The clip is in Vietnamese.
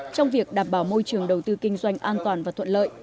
trong việc đảm bảo môi trường đầu tư kinh doanh an toàn và thuận lợi